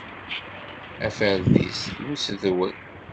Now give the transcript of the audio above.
Aferdis n usedwel.